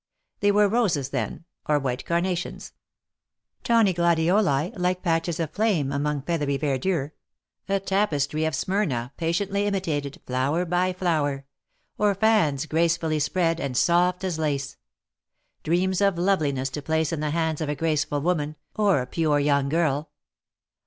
They were roses then, or white carnations; tawny gladioli, like patches of flame among feathery verdure; a tapestry of Smyrna patiently imitated, flower by flower ; or fans gracefully spread, and soft as lace; dreams of loveliness to place in the hands of a graceful woman, or a pure young girl.